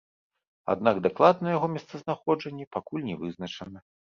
Аднак дакладнае яго месцазнаходжанне пакуль не вызначана.